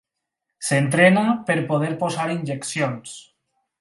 S'entrena per poder posar injeccions.